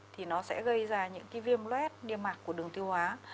thì nó sẽ gây ra những cái viêm loét niềm mạc của đường tiêu hóa